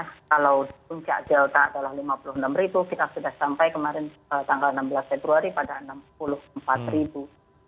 kalau puncak delta adalah lima puluh enam ribu kita sudah sampai kemarin tanggal enam belas februari pada enam puluh empat ribu